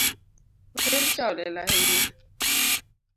Otel cha olil ahinya